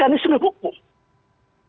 atau semua bidang ini juga belum ada